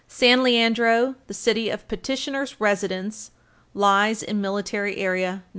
San Leandro, the city of petitioner's residence, lies in Military Area No.